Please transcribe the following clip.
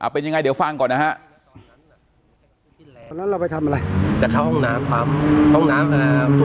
เป็นยังไงเดี๋ยวฟังก่อนนะฮะ